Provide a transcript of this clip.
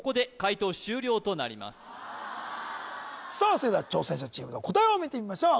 それでは挑戦者チームの答えを見てみましょう